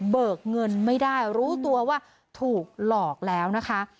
เงินไม่ได้รู้ตัวว่าถูกหลอกแล้วนะคะ